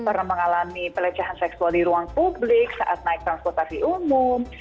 pernah mengalami pelecehan seksual di ruang publik saat naik transportasi umum